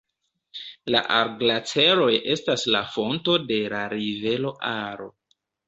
La Ar-Glaĉeroj estas la fonto de la rivero Aro.